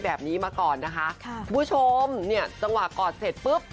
แบบนี้มาก่อนนะคะค่ะคุณผู้ชมเนี่ยจังหวะกอดเสร็จปุ๊บ